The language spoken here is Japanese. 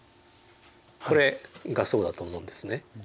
これがそうだと思うんですね。